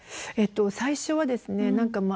最初はですね